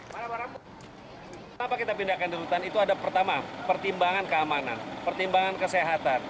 kenapa kita pindahkan di rutan itu ada pertama pertimbangan keamanan pertimbangan kesehatan